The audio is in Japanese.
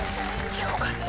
よかった。